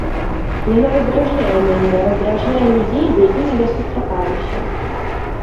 Яна раздражняе мяне, раздражняе людзей, з якімі я сустракаюся.